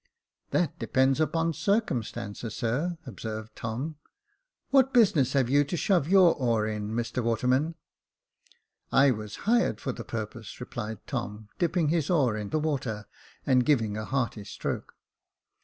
That depends upon circumstances, sir," observed Tom. "What business have you to shove your oar in, Mr Waterman ?" "I was hired for the purpose," replied Tom, dipping his oar in the water, and giving a hearty stroke.